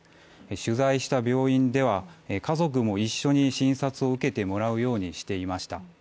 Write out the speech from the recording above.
取材した病院では家族も一緒に診察を受けてもらうようにしていました。